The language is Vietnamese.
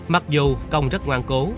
mặc dù công rất ngoan cố